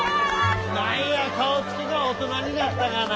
何や顔つきが大人になったがな。